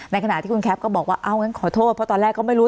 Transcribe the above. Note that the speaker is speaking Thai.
ขณะที่คุณแคปก็บอกว่าเอางั้นขอโทษเพราะตอนแรกก็ไม่รู้